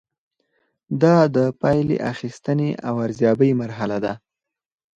دا د پایلې اخیستنې او ارزیابۍ مرحله ده.